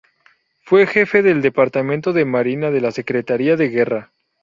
Fue Jefe del Departamento de Marina de la Secretaría de Guerra.